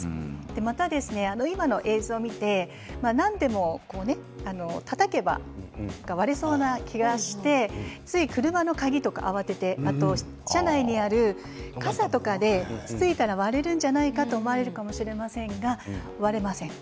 また今の映像を見て何でもたたけば割れそうな気がしてつい車の鍵とかで慌ててあと車内にある傘とかでつついたら割れるんじゃないかと思われるかもしれませんが割れません。